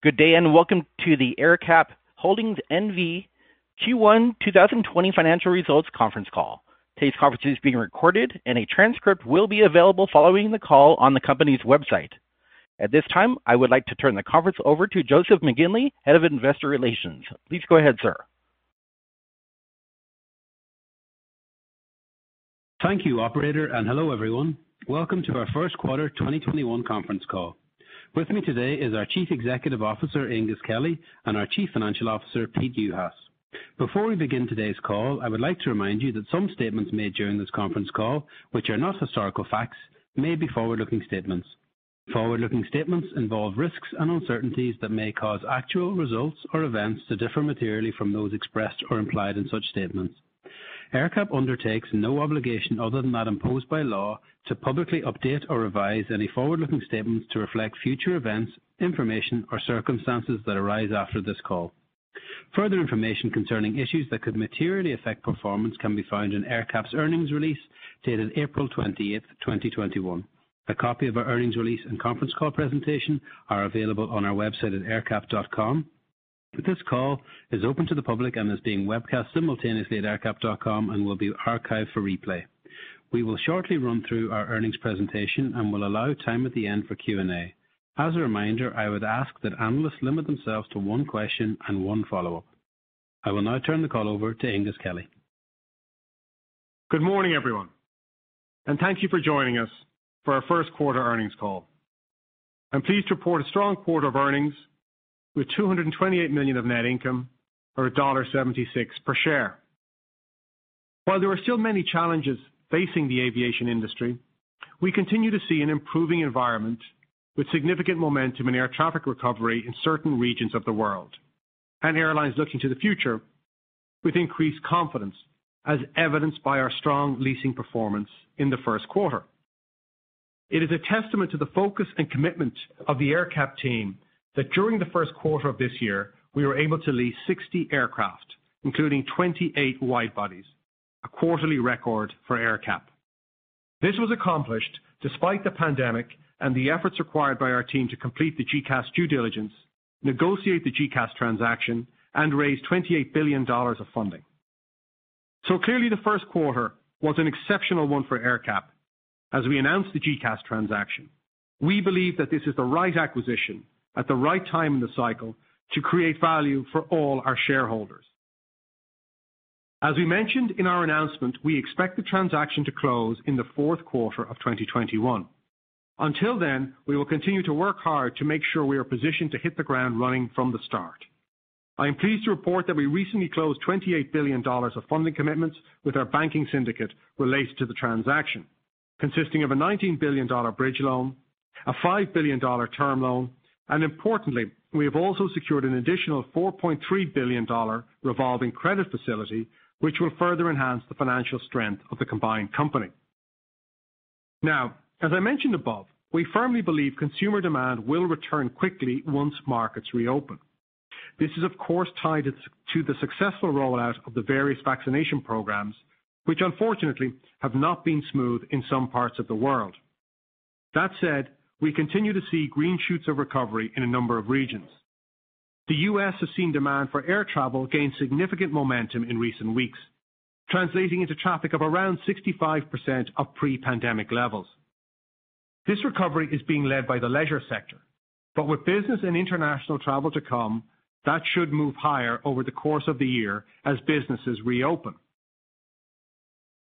Good day, welcome to the AerCap Holdings N.V. Q1 2021 financial results conference call. Today's conference is being recorded, a transcript will be available following the call on the company's website. At this time, I would like to turn the conference over to Joseph McGinley, Head of Investor Relations. Please go ahead, sir. Thank you, operator, and hello, everyone. Welcome to our first quarter 2021 conference call. With me today is our Chief Executive Officer, Aengus Kelly, and our Chief Financial Officer, Peter Juhas. Before we begin today's call, I would like to remind you that some statements made during this conference call, which are not historical facts, may be forward-looking statements. Forward-looking statements involve risks and uncertainties that may cause actual results or events to differ materially from those expressed or implied in such statements. AerCap undertakes no obligation other than that imposed by law to publicly update or revise any forward-looking statements to reflect future events, information, or circumstances that arise after this call. Further information concerning issues that could materially affect performance can be found in AerCap's earnings release, dated April 28th, 2021. A copy of our earnings release and conference call presentation are available on our website at aercap.com. This call is open to the public and is being webcast simultaneously at aercap.com and will be archived for replay. We will shortly run through our earnings presentation and will allow time at the end for Q&A. As a reminder, I would ask that analysts limit themselves to one question and one follow-up. I will now turn the call over to Aengus Kelly. Good morning, everyone, and thank you for joining us for our first quarter earnings call. I'm pleased to report a strong quarter of earnings, with $228 million of net income or $1.76 per share. While there are still many challenges facing the aviation industry, we continue to see an improving environment with significant momentum in air traffic recovery in certain regions of the world. Airlines looking to the future with increased confidence, as evidenced by our strong leasing performance in the first quarter. It is a testament to the focus and commitment of the AerCap team that during the first quarter of this year, we were able to lease 60 aircraft, including 28 wide-bodies, a quarterly record for AerCap. This was accomplished despite the pandemic and the efforts required by our team to complete the GECAS due diligence, negotiate the GECAS transaction, and raise $28 billion of funding. Clearly the first quarter was an exceptional one for AerCap as we announced the GECAS transaction. We believe that this is the right acquisition at the right time in the cycle to create value for all our shareholders. As we mentioned in our announcement, we expect the transaction to close in the fourth quarter of 2021. Until then, we will continue to work hard to make sure we are positioned to hit the ground running from the start. I am pleased to report that we recently closed $28 billion of funding commitments with our banking syndicate related to the transaction, consisting of a $19 billion bridge loan, a $5 billion term loan, and importantly, we have also secured an additional $4.3 billion revolving credit facility, which will further enhance the financial strength of the combined company. Now, as I mentioned above, we firmly believe consumer demand will return quickly once markets reopen. This is, of course, tied to the successful rollout of the various vaccination programs, which unfortunately have not been smooth in some parts of the world. That said, we continue to see green shoots of recovery in a number of regions. The U.S. has seen demand for air travel gain significant momentum in recent weeks, translating into traffic of around 65% of pre-pandemic levels. This recovery is being led by the leisure sector, but with business and international travel to come, that should move higher over the course of the year as businesses reopen.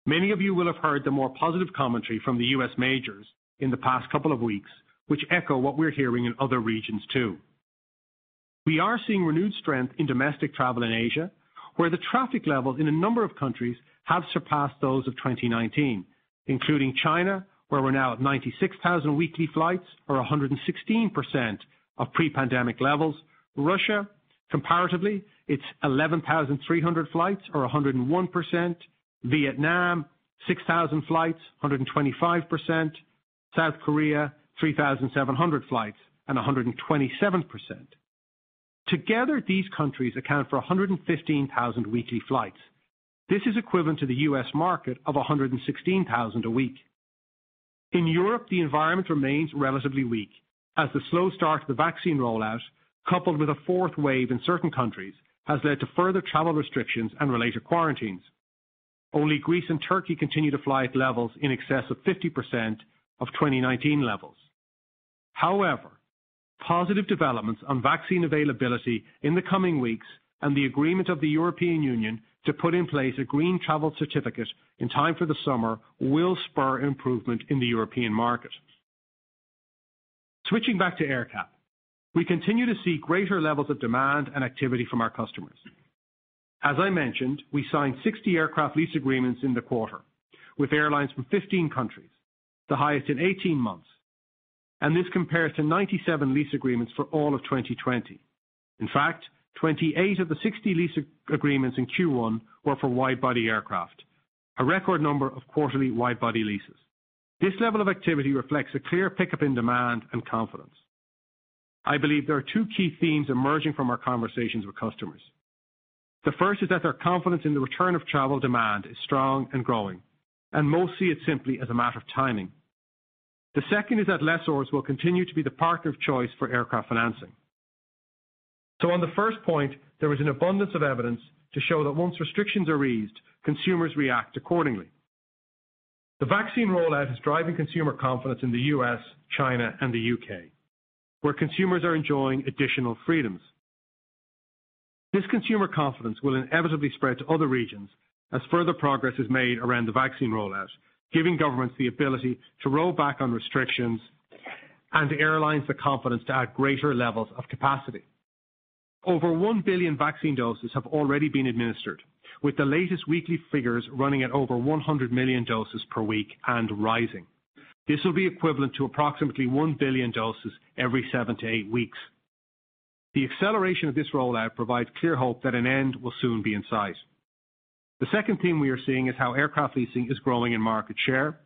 Many of you will have heard the more positive commentary from the U.S. majors in the past couple of weeks, which echo what we're hearing in other regions too. We are seeing renewed strength in domestic travel in Asia, where the traffic levels in a number of countries have surpassed those of 2019, including China, where we're now at 96,000 weekly flights or 116% of pre-pandemic levels. Russia, comparatively, it's 11,300 flights or 101%. Vietnam, 6,000 flights, 125%. South Korea, 3,700 flights and 127%. Together, these countries account for 115,000 weekly flights. This is equivalent to the U.S. market of 116,000 a week. In Europe, the environment remains relatively weak as the slow start to the vaccine rollout, coupled with a fourth wave in certain countries, has led to further travel restrictions and related quarantines. Only Greece and Turkey continue to fly at levels in excess of 50% of 2019 levels. However, positive developments on vaccine availability in the coming weeks and the agreement of the European Union to put in place a green travel certificate in time for the summer will spur improvement in the European market. Switching back to AerCap, we continue to see greater levels of demand and activity from our customers. As I mentioned, we signed 60 aircraft lease agreements in the quarter with airlines from 15 countries, the highest in 18 months. This compares to 97 lease agreements for all of 2020. In fact, 28 of the 60 lease agreements in Q1 were for wide-body aircraft, a record number of quarterly wide-body leases. This level of activity reflects a clear pickup in demand and confidence. I believe there are two key themes emerging from our conversations with customers. The first is that their confidence in the return of travel demand is strong and growing, most see it simply as a matter of timing. The second is that lessors will continue to be the partner of choice for aircraft financing. On the first point, there is an abundance of evidence to show that once restrictions are eased, consumers react accordingly. The vaccine rollout is driving consumer confidence in the U.S., China, and the U.K., where consumers are enjoying additional freedoms. This consumer confidence will inevitably spread to other regions as further progress is made around the vaccine rollout, giving governments the ability to roll back on restrictions and airlines the confidence to add greater levels of capacity. Over 1 billion vaccine doses have already been administered, with the latest weekly figures running at over 100 million doses per week and rising. This will be equivalent to approximately 1 billion doses every 7-8 weeks. The acceleration of this rollout provides clear hope that an end will soon be in sight. The second theme we are seeing is how aircraft leasing is growing in market share,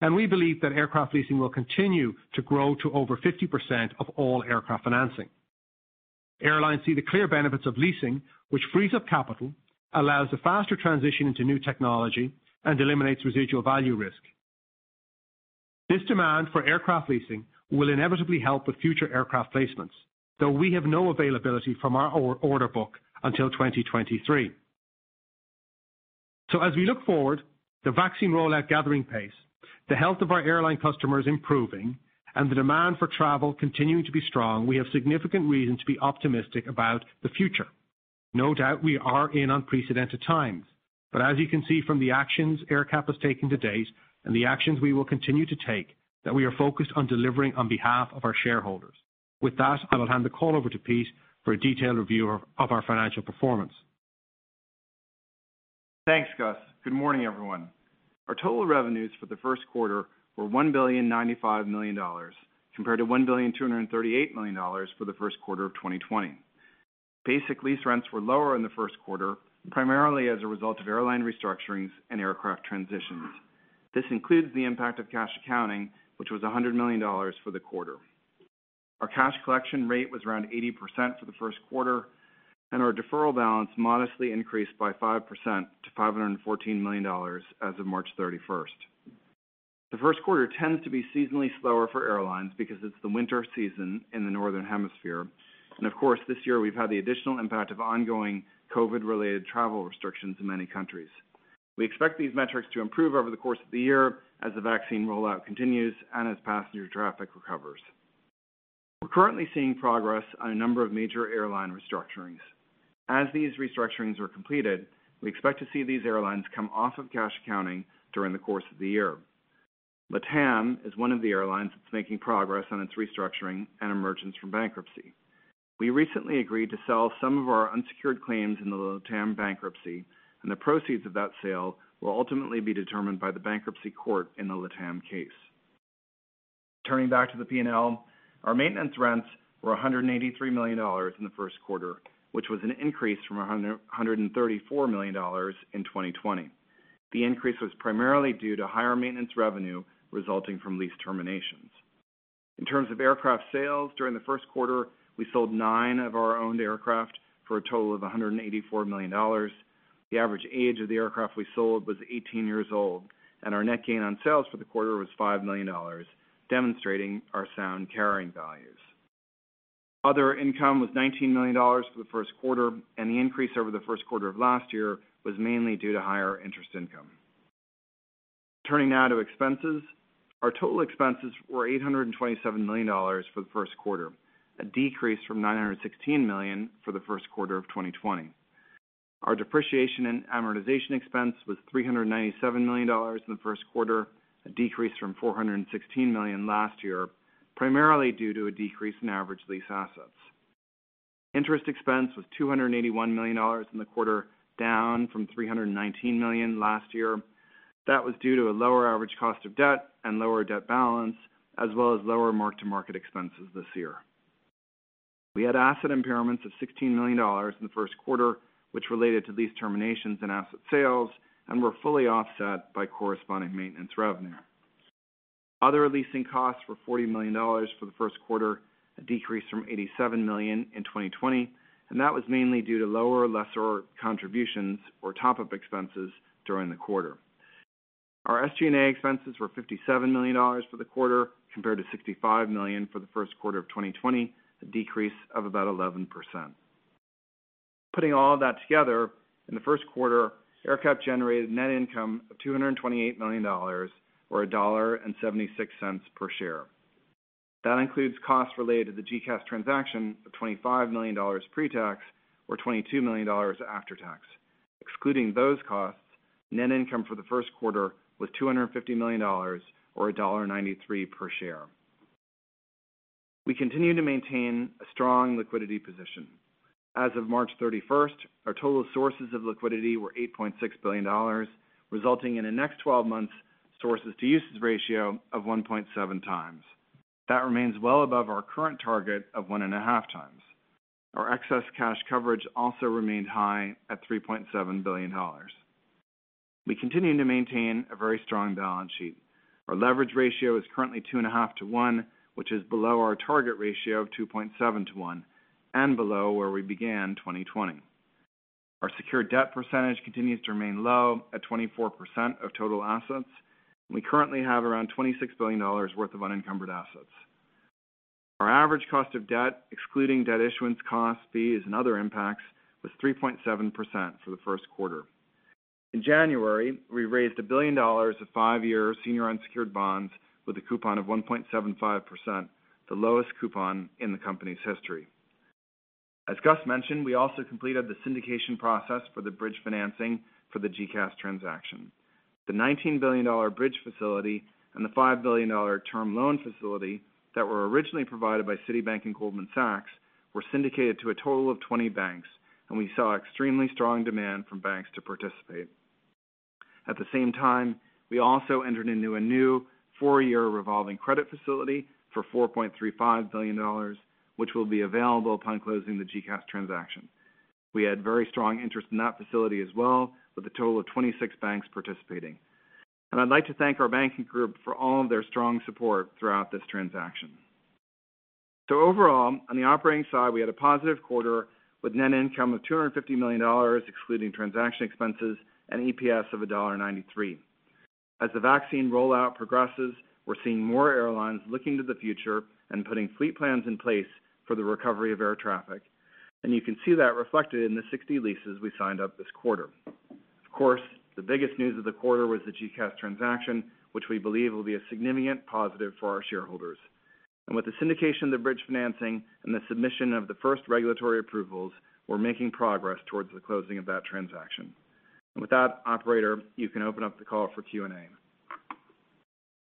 and we believe that aircraft leasing will continue to grow to over 50% of all aircraft financing. Airlines see the clear benefits of leasing, which frees up capital, allows a faster transition into new technology, and eliminates residual value risk. This demand for aircraft leasing will inevitably help with future aircraft placements, though we have no availability from our order book until 2023. As we look forward, the vaccine rollout gathering pace, the health of our airline customers improving, and the demand for travel continuing to be strong, we have significant reason to be optimistic about the future. No doubt we are in unprecedented times, as you can see from the actions AerCap has taken to date and the actions we will continue to take, that we are focused on delivering on behalf of our shareholders. With that, I will hand the call over to Pete for a detailed review of our financial performance. Thanks, Gus. Good morning, everyone. Our total revenues for the first quarter were $1.095 billion, compared to $1.238 billion for the first quarter of 2020. Basic lease rents were lower in the first quarter, primarily as a result of airline restructurings and aircraft transitions. This includes the impact of cash accounting, which was $100 million for the quarter. Our cash collection rate was around 80% for the first quarter, and our deferral balance modestly increased by 5% to $514 million as of March 31st. The first quarter tends to be seasonally slower for airlines because it's the winter season in the northern hemisphere. Of course, this year we've had the additional impact of ongoing COVID-related travel restrictions in many countries. We expect these metrics to improve over the course of the year as the vaccine rollout continues and as passenger traffic recovers. We're currently seeing progress on a number of major airline restructurings. As these restructurings are completed, we expect to see these airlines come off of cash accounting during the course of the year. LATAM is one of the airlines that's making progress on its restructuring and emergence from bankruptcy. We recently agreed to sell some of our unsecured claims in the LATAM bankruptcy, and the proceeds of that sale will ultimately be determined by the bankruptcy court in the LATAM case. Turning back to the P&L, our maintenance rents were $183 million in the first quarter, which was an increase from $134 million in 2020. The increase was primarily due to higher maintenance revenue resulting from lease terminations. In terms of aircraft sales, during the first quarter, we sold nine of our owned aircraft for a total of $184 million. The average age of the aircraft we sold was 18 years old, and our net gain on sales for the quarter was $5 million, demonstrating our sound carrying values. Other income was $19 million for the first quarter, and the increase over the first quarter of last year was mainly due to higher interest income. Turning now to expenses. Our total expenses were $827 million for the first quarter, a decrease from $916 million for the first quarter of 2020. Our depreciation and amortization expense was $397 million in the first quarter, a decrease from $416 million last year, primarily due to a decrease in average lease assets. Interest expense was $281 million in the quarter, down from $319 million last year. That was due to a lower average cost of debt and lower debt balance, as well as lower mark-to-market expenses this year. We had asset impairments of $16 million in the first quarter, which related to lease terminations and asset sales, and were fully offset by corresponding maintenance revenue. Other leasing costs were $40 million for the first quarter, a decrease from $87 million in 2020. That was mainly due to lower lessor contributions or top-up expenses during the quarter. Our SG&A expenses were $57 million for the quarter, compared to $65 million for the first quarter of 2020, a decrease of about 11%. Putting all of that together, in the first quarter, AerCap generated net income of $228 million, or $1.76 per share. That includes costs related to the GECAS transaction of $25 million pre-tax, or $22 million after tax. Excluding those costs, net income for the first quarter was $250 million, or $1.93 per share. We continue to maintain a strong liquidity position. As of March 31st, our total sources of liquidity were $8.6 billion, resulting in a next 12 months sources to uses ratio of 1.7x. That remains well above our current target of 1.5x. Our excess cash coverage also remained high at $3.7 billion. We continue to maintain a very strong balance sheet. Our leverage ratio is currently 2.5:1, which is below our target ratio of 2.7:1, and below where we began 2020. Our secure debt percentage continues to remain low at 24% of total assets. We currently have around $26 billion worth of unencumbered assets. Our average cost of debt, excluding debt issuance cost, fees, and other impacts, was 3.7% for the first quarter. In January, we raised $1 billion of five-year senior unsecured bonds with a coupon of 1.75%, the lowest coupon in the company's history. As Gus mentioned, we also completed the syndication process for the bridge financing for the GECAS transaction. The $19 billion bridge facility and the $5 billion term loan facility that were originally provided by Citibank and Goldman Sachs were syndicated to a total of 20 banks, and we saw extremely strong demand from banks to participate. At the same time, we also entered into a new four-year revolving credit facility for $4.35 billion, which will be available upon closing the GECAS transaction. We had very strong interest in that facility as well, with a total of 26 banks participating. I'd like to thank our banking group for all of their strong support throughout this transaction. Overall, on the operating side, we had a positive quarter with net income of $250 million excluding transaction expenses and EPS of $1.93. As the vaccine rollout progresses, we're seeing more airlines looking to the future and putting fleet plans in place for the recovery of air traffic, and you can see that reflected in the 60 leases we signed up this quarter. Of course, the biggest news of the quarter was the GECAS transaction, which we believe will be a significant positive for our shareholders. With the syndication of the bridge financing and the submission of the first regulatory approvals, we're making progress towards the closing of that transaction. With that, operator, you can open up the call for Q&A.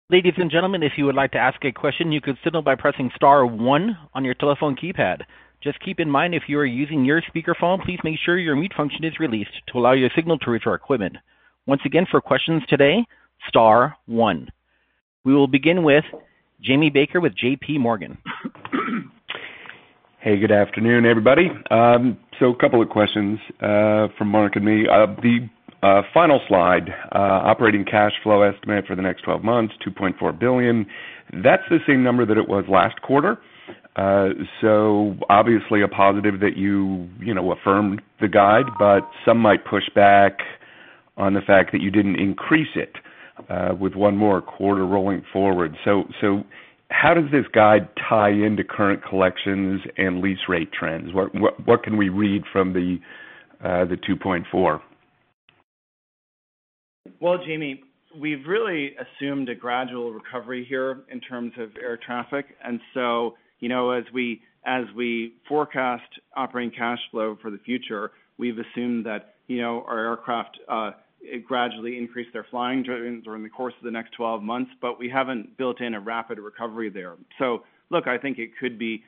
Ladies and gentlemen, if you would like to ask a question, you can signal by pressing star one on your telephone keypad. Just keep in mind if you are using your speakerphone, please make sure your mute function is released to allow your signal to reach our equipment. Once again, for questions today, star one. We will begin with Jimmy Baker with JPMorgan. Hey, good afternoon, everybody. Couple of questions, from Mark and me. The final slide, operating cash flow estimate for the next 12 months, $2.4 billion. That's the same number that it was last quarter. Obviously a positive that you affirmed the guide, but some might push back on the fact that you didn't increase it, with one more quarter rolling forward. How does this guide tie into current collections and lease rate trends? What can we read from the $2.4? Well, Jimmy, we've really assumed a gradual recovery here in terms of air traffic. As we forecast operating cash flow for the future, we've assumed that our aircraft gradually increase their flying during the course of the next 12 months. We haven't built in a rapid recovery there. Look, I think it could be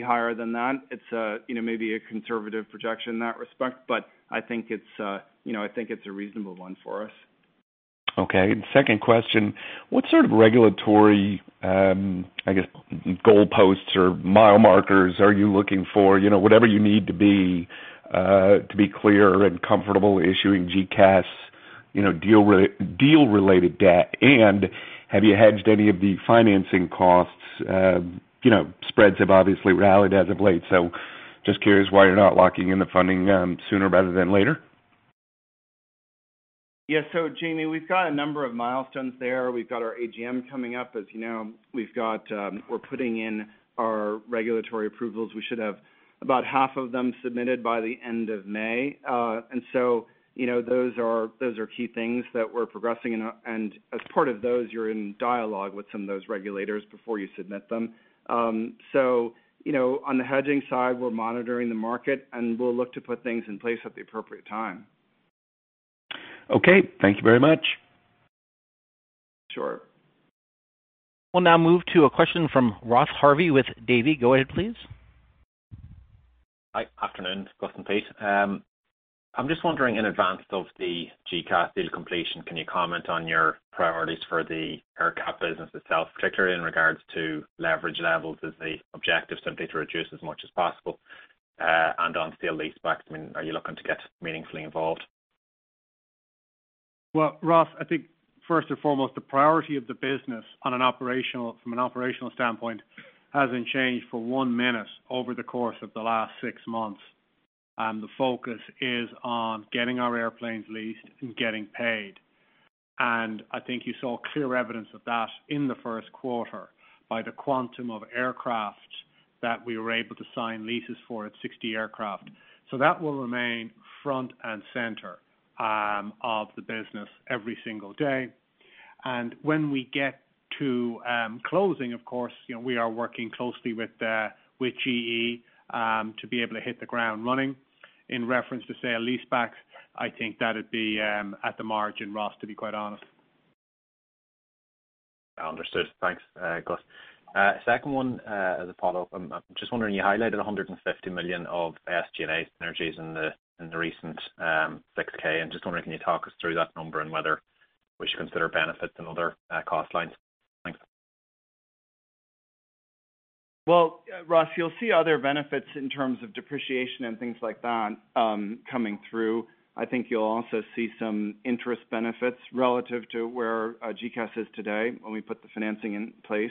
higher than that. It's maybe a conservative projection in that respect. I think it's a reasonable one for us. Okay. Second question, what sort of regulatory, I guess, goalposts or mile markers are you looking for? Whatever you need to be clear and comfortable issuing GECAS deal-related debt, and have you hedged any of the financing costs? Spreads have obviously rallied as of late, so just curious why you're not locking in the funding sooner rather than later. Yeah. Jimmy, we've got a number of milestones there. We've got our AGM coming up. As you know, we're putting in our regulatory approvals. We should have about half of them submitted by the end of May. Those are key things that we're progressing, and as part of those, you're in dialogue with some of those regulators before you submit them. On the hedging side, we're monitoring the market, and we'll look to put things in place at the appropriate time. Okay. Thank you very much. Sure. We'll now move to a question from Ross Harvey with Davy. Go ahead, please. Hi. Afternoon, Gus and Pete. I'm just wondering, in advance of the GECAS deal completion, can you comment on your priorities for the AerCap business itself, particularly in regards to leverage levels as the objective simply to reduce as much as possible, and on sale-leasebacks, are you looking to get meaningfully involved? Well, Ross, I think first and foremost, the priority of the business from an operational standpoint hasn't changed for one minute over the course of the last six months. The focus is on getting our airplanes leased and getting paid. I think you saw clear evidence of that in the first quarter by the quantum of aircraft that we were able to sign leases for at 60 aircraft. That will remain front and center of the business every single day. When we get to closing, of course, we are working closely with GE, to be able to hit the ground running. In reference to sale and leasebacks, I think that'd be at the margin, Ross, to be quite honest. Understood. Thanks, Gus. Second one, as a follow-up. I'm just wondering, you highlighted $150 million of SG&A synergies in the recent 6-K. I'm just wondering, can you talk us through that number and whether we should consider benefits and other cost lines? Thanks. Well, Ross, you'll see other benefits in terms of depreciation and things like that coming through. I think you'll also see some interest benefits relative to where GECAS is today when we put the financing in place.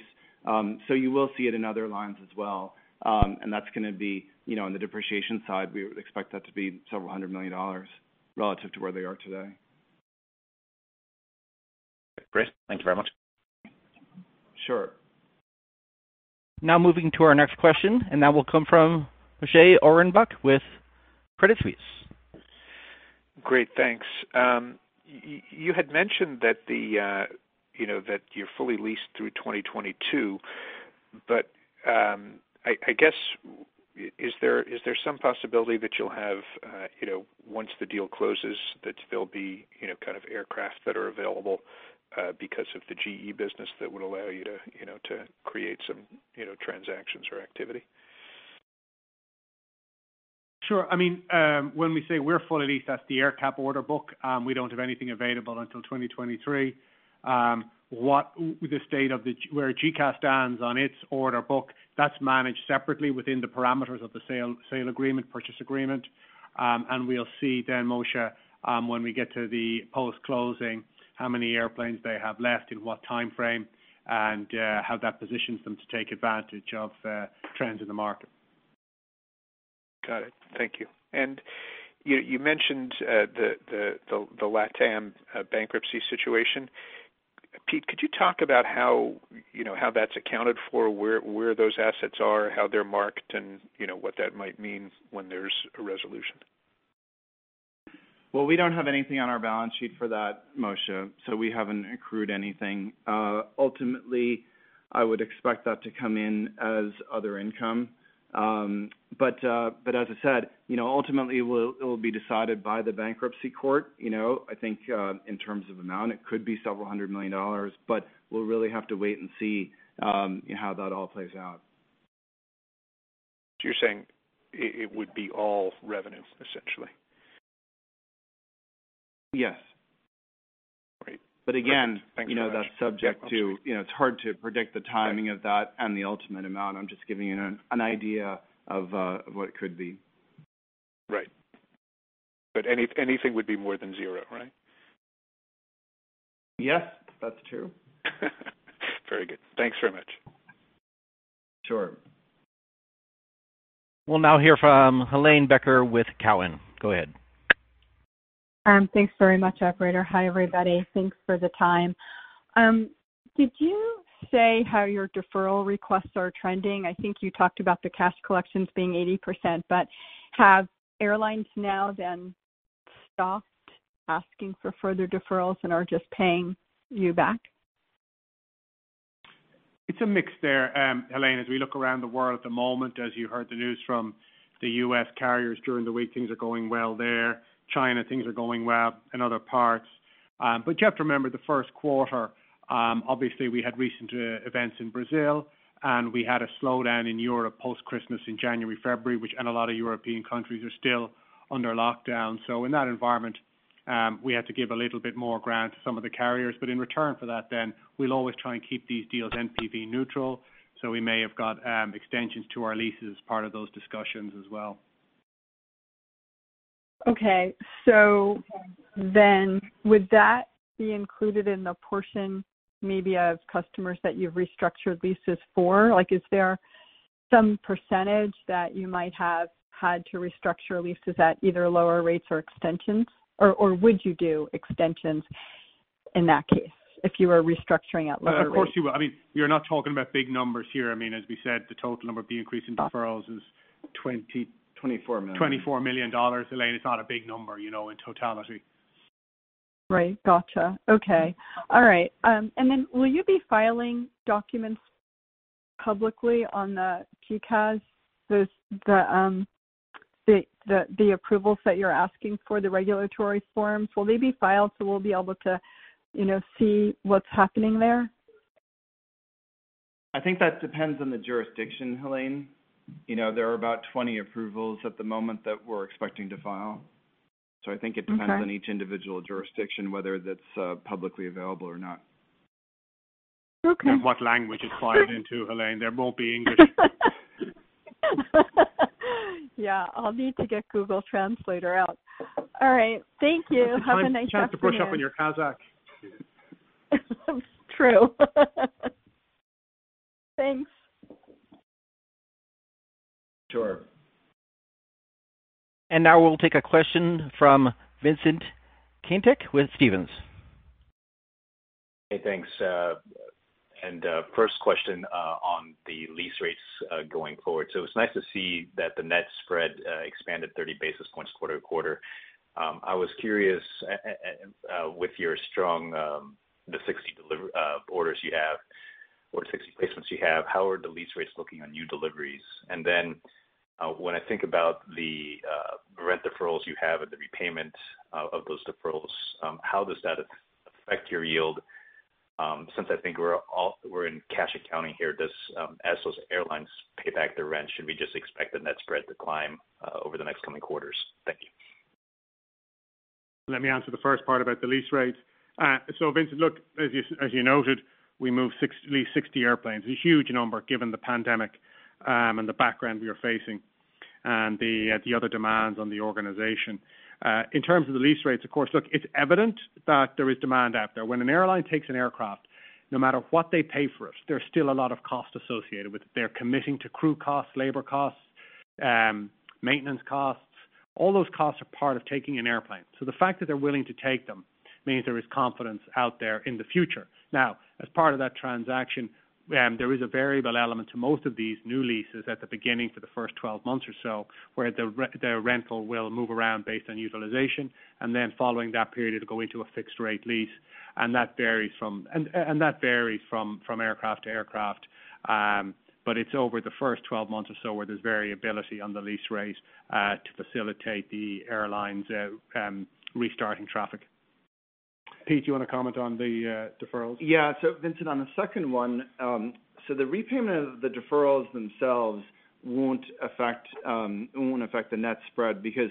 You will see it in other lines as well. That's going to be on the depreciation side, we would expect that to be several hundred million relative to where they are today. Great. Thank you very much. Sure. Now moving to our next question, and that will come from Moshe Orenbuch with Credit Suisse. Great, thanks. I guess is there some possibility that you'll have, once the deal closes, that there'll be kind of aircraft that are available because of the GE business that would allow you to create some transactions or activity? Sure. When we say we're fully leased, that's the AerCap order book. We don't have anything available until 2023. Where GECAS stands on its order book, that's managed separately within the parameters of the sale agreement, purchase agreement. We'll see then, Moshe, when we get to the post-closing, how many airplanes they have left in what timeframe, and how that positions them to take advantage of trends in the market. Got it. Thank you. You mentioned the LATAM bankruptcy situation. Pete, could you talk about how that's accounted for, where those assets are, how they're marked, and what that might mean when there's a resolution? Well, we don't have anything on our balance sheet for that, Moshe. We haven't accrued anything. Ultimately, I would expect that to come in as other income. As I said, ultimately, it will be decided by the bankruptcy court. I think in terms of amount, it could be several hundred million dollars, we'll really have to wait and see how that all plays out. You're saying it would be all revenue, essentially. Yes. Great. But again- Thanks very much. That's subject to, it's hard to predict the timing of that and the ultimate amount. I'm just giving you an idea of what it could be. Right. Anything would be more than zero, right? Yes, that's true. Very good. Thanks very much. Sure. We'll now hear from Helane Becker with Cowen. Go ahead. Thanks very much, operator. Hi, everybody. Thanks for the time. Did you say how your deferral requests are trending? I think you talked about the cash collections being 80%. Have airlines now then stopped asking for further deferrals and are just paying you back? It's a mix there, Helane, as we look around the world at the moment, as you heard the news from the U.S. carriers during the week, things are going well there. China, things are going well in other parts. You have to remember the first quarter, obviously we had recent events in Brazil, and we had a slowdown in Europe post-Christmas in January, February, and a lot of European countries are still under lockdown. In that environment, we had to give a little bit more ground to some of the carriers. In return for that, we'll always try and keep these deals NPV neutral. We may have got extensions to our leases as part of those discussions as well. Okay. Would that be included in the portion maybe of customers that you've restructured leases for? Is there some percentage that you might have had to restructure leases at either lower rates or extensions? Would you do extensions in that case, if you were restructuring at lower rates? Of course you would. You're not talking about big numbers here. As we said, the total number of the increase in deferrals is- $24 million $24 million, Helane. It's not a big number in totality. Right. Got you. Okay. All right. Will you be filing documents publicly on the GECAS, the approvals that you're asking for, the regulatory forms? Will they be filed so we'll be able to see what's happening there? I think that depends on the jurisdiction, Helane. There are about 20 approvals at the moment that we're expecting to file. I think it depends on each individual jurisdiction, whether that's publicly available or not. Okay. What language it's filed into, Helane. There won't be English. Yeah. I'll need to get Google Translator out. All right. Thank you. Have a nice afternoon. It's a good time to brush up on your Kazakh. True. Thanks. Sure. Now we'll take a question from Vincent Caintic with Stephens. Hey, thanks. First question on the lease rates going forward. It's nice to see that the net spread expanded 30 basis points quarter to quarter. I was curious, with your strong, the 60 orders you have or 60 placements you have, how are the lease rates looking on new deliveries? When I think about the rent deferrals you have and the repayment of those deferrals, how does that affect your yield? Since I think we're in cash accounting here, as those airlines pay back their rent, should we just expect the net spread to climb over the next coming quarters? Thank you. Let me answer the first part about the lease rates. Vincent, look, as you noted, we moved at least 60 airplanes. A huge number given the pandemic and the background we are facing, and the other demands on the organization. In terms of the lease rates, of course, look, it's evident that there is demand out there. When an airline takes an aircraft, no matter what they pay for it, there's still a lot of cost associated with it. They're committing to crew costs, labor costs, maintenance costs. All those costs are part of taking an airplane. The fact that they're willing to take them means there is confidence out there in the future. As part of that transaction, there is a variable element to most of these new leases at the beginning for the first 12 months or so, where their rental will move around based on utilization, and then following that period go into a fixed rate lease. That varies from aircraft to aircraft. It's over the first 12 months or so where there's variability on the lease rate to facilitate the airlines restarting traffic. Pete, do you want to comment on the deferrals? Vincent, on the second one, the repayment of the deferrals themselves won't affect the net spread because,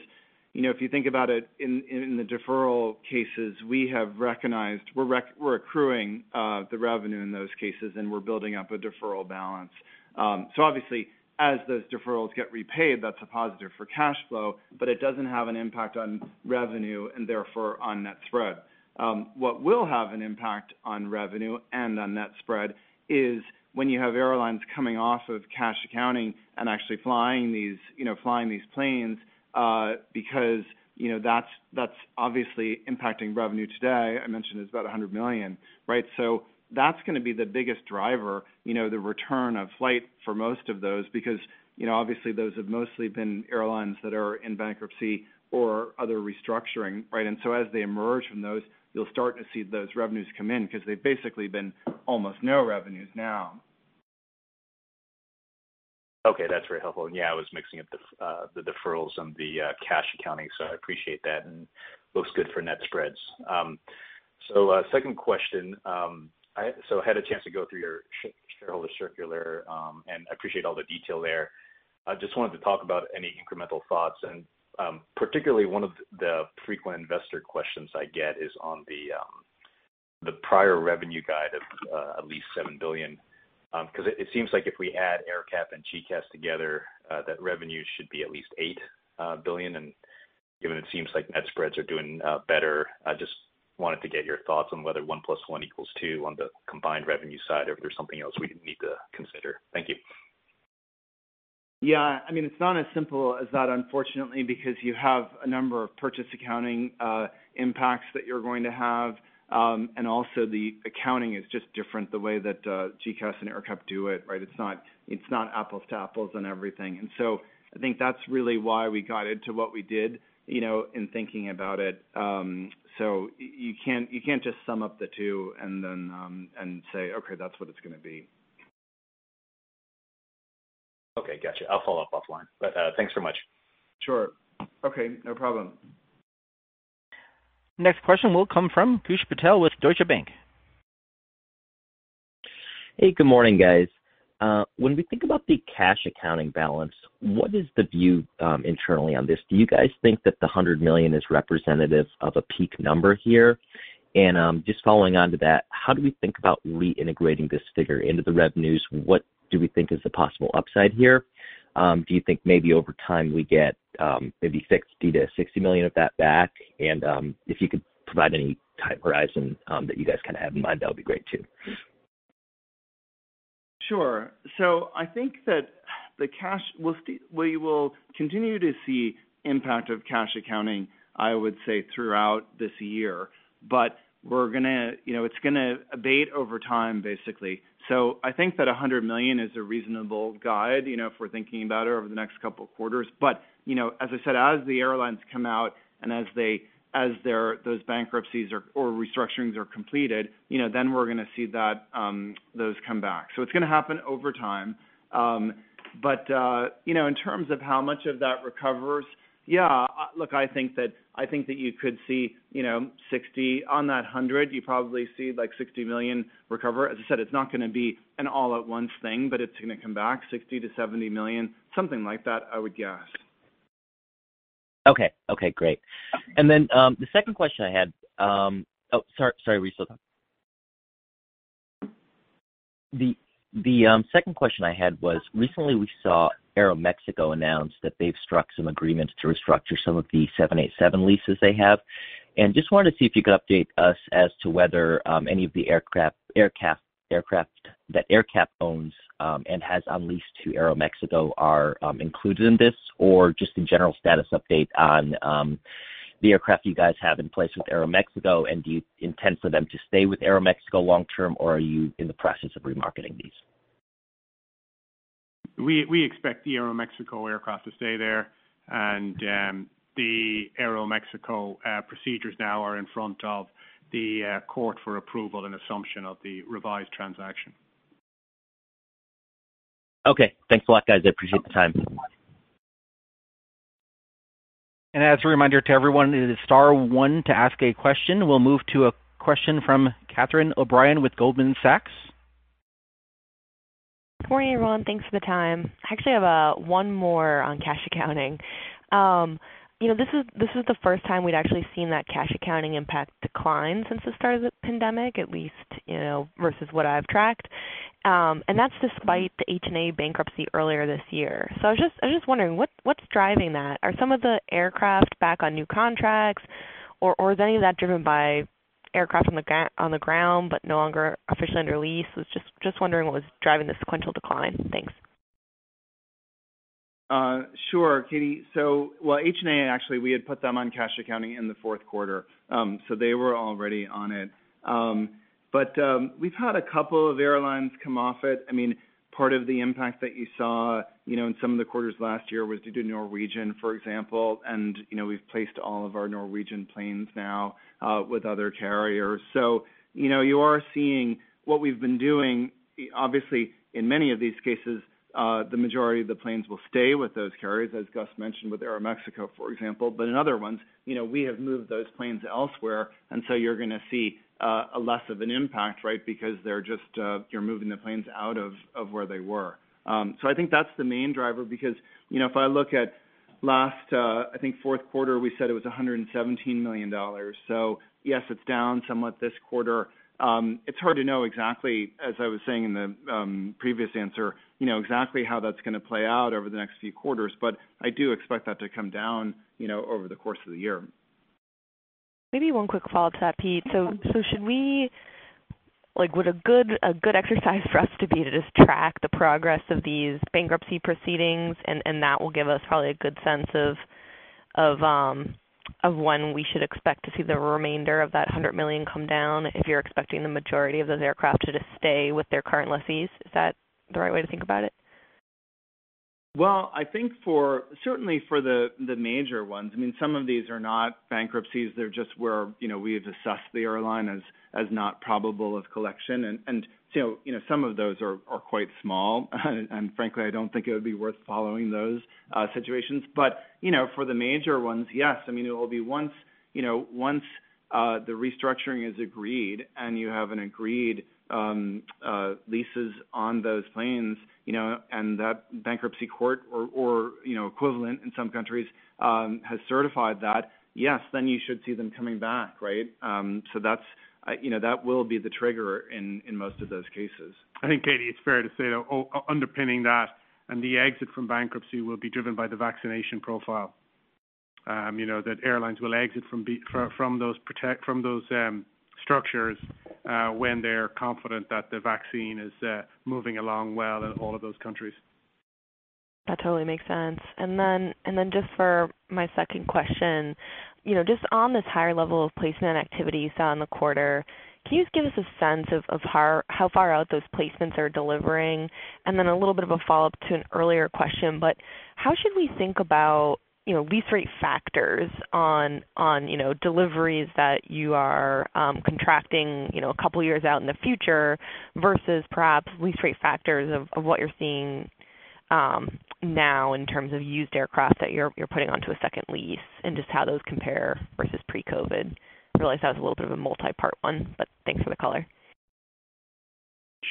if you think about it, in the deferral cases, we're accruing the revenue in those cases and we're building up a deferral balance. Obviously as those deferrals get repaid, that's a positive for cash flow, but it doesn't have an impact on revenue and therefore on net spread. What will have an impact on revenue and on net spread is when you have airlines coming off of cash accounting and actually flying these planes, because that's obviously impacting revenue today. I mentioned it's about $100 million. Right? That's going to be the biggest driver, the return of flight for most of those, because obviously those have mostly been airlines that are in bankruptcy or other restructuring. Right? As they emerge from those, you'll start to see those revenues come in because they've basically been almost no revenues now. Okay, that's very helpful. Yeah, I was mixing up the deferrals and the cash accounting, so I appreciate that and looks good for net spreads. Second question. I had a chance to go through your shareholder circular, and I appreciate all the detail there. I just wanted to talk about any incremental thoughts and, particularly one of the frequent investor questions I get is on the prior revenue guide of at least $7 billion. It seems like if we add AerCap and GECAS together, that revenue should be at least $8 billion, and given it seems like net spreads are doing better, I just wanted to get your thoughts on whether one plus one equals two on the combined revenue side or if there's something else we need to consider. Thank you. It's not as simple as that, unfortunately, because you have a number of purchase accounting impacts that you're going to have. Also the accounting is just different the way that GECAS and AerCap do it, right? It's not apples to apples on everything. I think that's really why we guided to what we did, in thinking about it. You can't just sum up the two and say, "Okay, that's what it's going to be. Okay. Got you. I'll follow up offline. Thanks very much. Sure. Okay, no problem. Next question will come from Khush Patel with Deutsche Bank. Hey, good morning guys. When we think about the cash accounting balance, what is the view internally on this? Do you guys think that the $100 million is representative of a peak number here? Just following on to that, how do we think about reintegrating this figure into the revenues? What do we think is the possible upside here? Do you think maybe over time we get maybe $60 million of that back? If you could provide any time horizon that you guys have in mind, that would be great too. Sure. I think that we will continue to see impact of cash accounting, I would say, throughout this year. It's going to abate over time basically. I think that $100 million is a reasonable guide, if we're thinking about it over the next couple of quarters. As I said, as the airlines come out and as those bankruptcies or restructurings are completed, then we're going to see those come back. It's going to happen over time. In terms of how much of that recovers, yeah. Look, I think that you could see $60 on that $100. You probably see like $60 million recover. As I said, it's not going to be an all at once thing, but it's going to come back $60 million-$70 million, something like that, I would guess. Okay. Great. Oh, sorry, Pete. The second question I had was, recently we saw Aeroméxico announce that they've struck some agreements to restructure some of the 787 leases they have. Just wanted to see if you could update us as to whether any of the aircraft that AerCap owns, and has on lease to Aeroméxico are included in this. Just a general status update on the aircraft you guys have in place with Aeroméxico, and do you intend for them to stay with Aeroméxico long-term, or are you in the process of remarketing these? We expect the Aeroméxico aircraft to stay there, and the Aeroméxico procedures now are in front of the court for approval and assumption of the revised transaction. Okay. Thanks a lot, guys. I appreciate the time. As a reminder to everyone, it is star one to ask a question. We'll move to a question from Catherine O'Brien with Goldman Sachs. Good morning, everyone. Thanks for the time. I actually have one more on cash accounting. This is the first time we'd actually seen that cash accounting impact decline since the start of the pandemic, at least, versus what I've tracked. That's despite the HNA bankruptcy earlier this year. I was just wondering what's driving that? Are some of the aircraft back on new contracts, or is any of that driven by aircraft on the ground but no longer officially under lease? Was just wondering what was driving the sequential decline. Thanks. Sure, Catie. Well, HNA, actually, we had put them on cash accounting in the fourth quarter. They were already on it. We've had a couple of airlines come off it. Part of the impact that you saw in some of the quarters last year was due to Norwegian, for example, and we've placed all of our Norwegian planes now with other carriers. You are seeing what we've been doing. Obviously, in many of these cases, the majority of the planes will stay with those carriers, as Gus mentioned with Aeroméxico, for example. In other ones, we have moved those planes elsewhere, you're going to see less of an impact, because you're moving the planes out of where they were. I think that's the main driver, because if I look at last, I think fourth quarter, we said it was $117 million. Yes, it's down somewhat this quarter. It's hard to know exactly, as I was saying in the previous answer, exactly how that's going to play out over the next few quarters. I do expect that to come down over the course of the year. Maybe one quick follow-up to that, Pete. Would a good exercise for us to be to just track the progress of these bankruptcy proceedings, and that will give us probably a good sense of when we should expect to see the remainder of that $100 million come down, if you're expecting the majority of those aircraft to just stay with their current lessees? Is that the right way to think about it? Well, I think certainly for the major ones. Some of these are not bankruptcies. They're just where we have assessed the airline as not probable of collection. Some of those are quite small, and frankly, I don't think it would be worth following those situations. For the major ones, yes. It will be once the restructuring is agreed and you have an agreed leases on those planes, and that bankruptcy court or equivalent in some countries, has certified that, yes, then you should see them coming back. That will be the trigger in most of those cases. I think, Catie, it's fair to say, though, underpinning that and the exit from bankruptcy will be driven by the vaccination profile. That airlines will exit from those structures when they're confident that the vaccine is moving along well in all of those countries. That totally makes sense. Just for my second question, just on this higher level of placement activity you saw in the quarter, can you just give us a sense of how far out those placements are delivering? A little bit of a follow-up to an earlier question, but how should we think about lease rate factors on deliveries that you are contracting a couple of years out in the future versus perhaps lease rate factors of what you're seeing now in terms of used aircraft that you're putting onto a second lease, and just how those compare versus pre-COVID? I realize that was a little bit of a multipart one, but thanks for the color.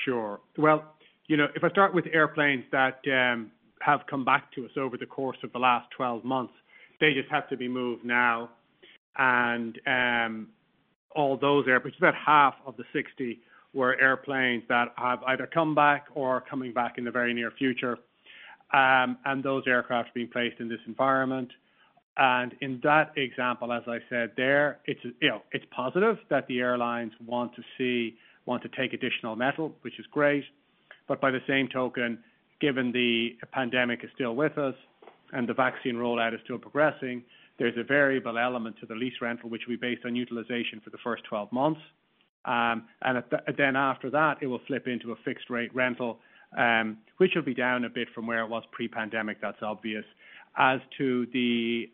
Sure. Well, if I start with airplanes that have come back to us over the course of the last 12 months, they just have to be moved now. All those airplanes, about half of the 60 were airplanes that have either come back or are coming back in the very near future. Those aircraft are being placed in this environment. In that example, as I said, there, it's positive that the airlines want to take additional metal, which is great. By the same token, given the pandemic is still with us and the vaccine rollout is still progressing, there's a variable element to the lease rental, which we base on utilization for the first 12 months. After that, it will flip into a fixed rate rental, which will be down a bit from where it was pre-pandemic, that's obvious. As to the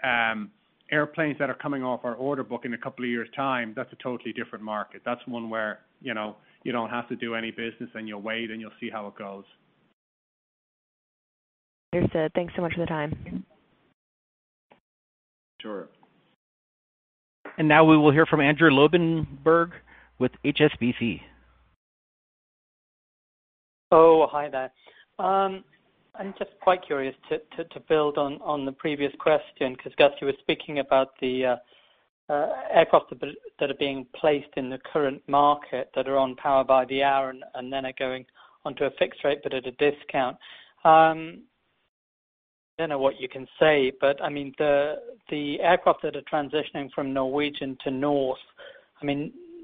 airplanes that are coming off our order book in a couple of years' time, that's a totally different market. That's one where you don't have to do any business, and you'll wait, and you'll see how it goes. Understood. Thanks so much for the time. Sure. Now we will hear from Andrew Lobbenberg with HSBC. Hi there. I'm just quite curious to build on the previous question, because Gus, you were speaking about the aircraft that are being placed in the current market that are on power by the hour and then are going onto a fixed rate, but at a discount. Don't know what you can say, but the aircraft that are transitioning from Norwegian to Norse.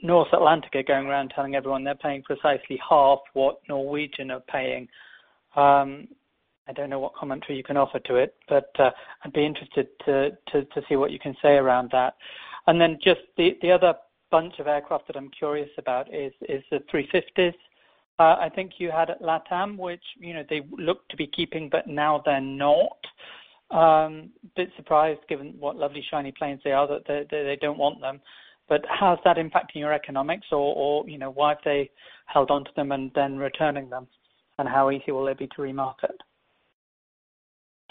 Norse Atlantic are going around telling everyone they're paying precisely half what Norwegian are paying. I don't know what commentary you can offer to it, but I'd be interested to see what you can say around that. Then just the other bunch of aircraft that I'm curious about is the A350s. I think you had LATAM, which they looked to be keeping, but now they're not. Bit surprised given what lovely, shiny planes they are that they don't want them. How's that impacting your economics, or why have they held onto them and then returning them, and how easy will they be to remarket?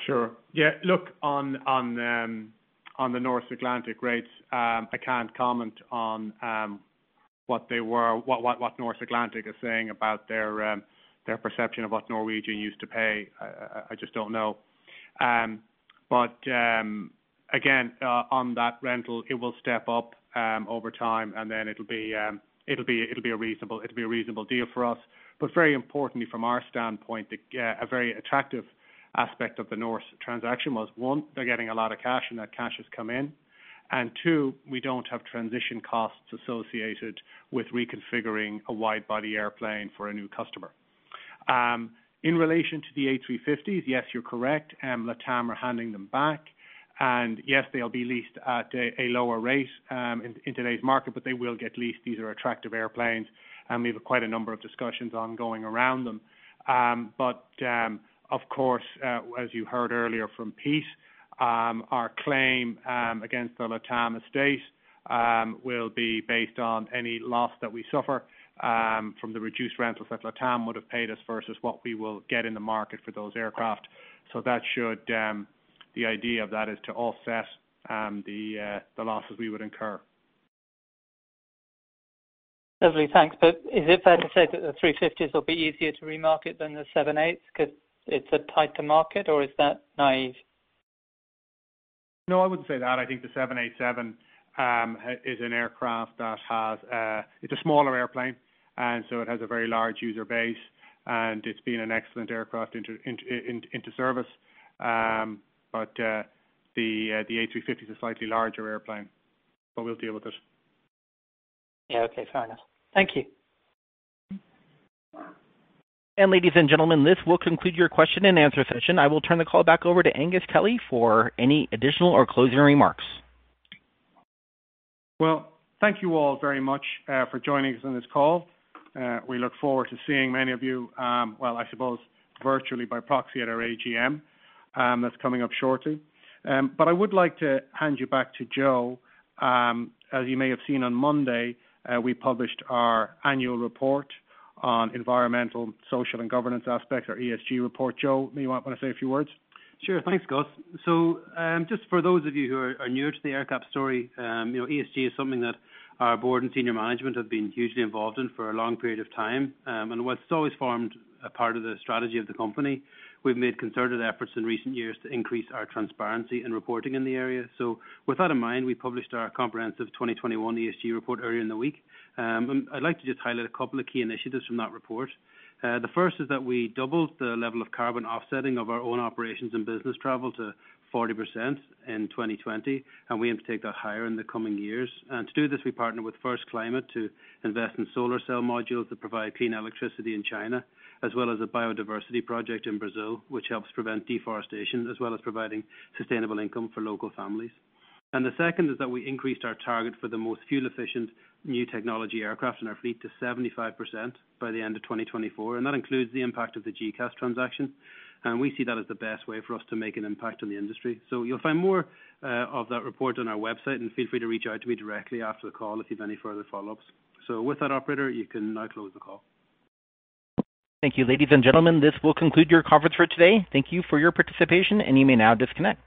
Sure. Yeah. Look, on the Norse Atlantic rates, I can't comment on what Norse Atlantic is saying about their perception of what Norwegian used to pay. I just don't know. Again, on that rental, it will step up over time, and then it'll be a reasonable deal for us. Very importantly from our standpoint, a very attractive aspect of the Norse transaction was, one, they're getting a lot of cash, and that cash has come in. Two, we don't have transition costs associated with reconfiguring a wide-body airplane for a new customer. In relation to the A350s, yes, you're correct. LATAM are handing them back. Yes, they'll be leased at a lower rate in today's market, but they will get leased. These are attractive airplanes, and we have quite a number of discussions ongoing around them. Of course, as you heard earlier from Pete, our claim against the LATAM estate will be based on any loss that we suffer from the reduced rentals that LATAM would've paid us versus what we will get in the market for those aircraft. The idea of that is to offset the losses we would incur. Lovely. Thanks. Is it fair to say that the A350s will be easier to remarket than the 787s because it's a tighter market, or is that naive? No, I wouldn't say that. I think the 787 is an aircraft. It's a smaller airplane, and so it has a very large user base, and it's been an excellent aircraft into service. The A350 is a slightly larger airplane. We'll deal with it. Yeah. Okay. Fair enough. Thank you. Ladies and gentlemen, this will conclude your question and answer session. I will turn the call back over to Aengus Kelly for any additional or closing remarks. Well, thank you all very much for joining us on this call. We look forward to seeing many of you, well, I suppose virtually by proxy at our AGM that's coming up shortly. I would like to hand you back to Joe. As you may have seen on Monday, we published our annual report on environmental, social, and governance aspects, our ESG report. Joe, may you want to say a few words? Thanks, Gus. Just for those of you who are new to the AerCap story, ESG is something that our board and senior management have been hugely involved in for a long period of time. While it's always formed a part of the strategy of the company, we've made concerted efforts in recent years to increase our transparency in reporting in the area. With that in mind, we published our comprehensive 2021 ESG report earlier in the week. I'd like to just highlight a couple of key initiatives from that report. The first is that we doubled the level of carbon offsetting of our own operations and business travel to 40% in 2020, we aim to take that higher in the coming years. To do this, we partner with First Climate to invest in solar cell modules that provide clean electricity in China, as well as a biodiversity project in Brazil, which helps prevent deforestation as well as providing sustainable income for local families. The second is that we increased our target for the most fuel-efficient new technology aircraft in our fleet to 75% by the end of 2024, and that includes the impact of the GECAS transaction. We see that as the best way for us to make an impact on the industry. You'll find more of that report on our website, and feel free to reach out to me directly after the call if you've any further follow-ups. With that operator, you can now close the call. Thank you. Ladies and gentlemen, this will conclude your conference for today. Thank you for your participation, and you may now disconnect.